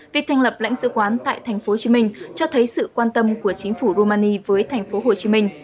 việc thành lập lãnh sứ quán tại tp hcm cho thấy sự quan tâm của chính phủ romani với tp hcm